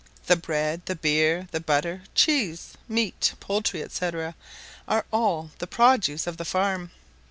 The bread, the beer, butter, cheese, meat, poultry, &c. are all the produce of the farm.